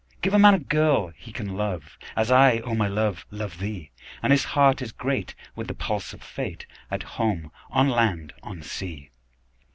Give a man a girl he can love, As I, O my love, love thee; 10 And his heart is great with the pulse of Fate, At home, on land, on sea.